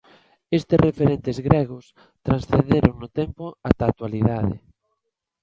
Estes referentes gregos transcenderon no tempo ata a actualidade.